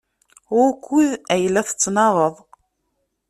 Wukud ay la tettnaɣeḍ?